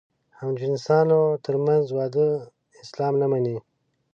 همجنسانو تر منځ واده اسلام نه مني.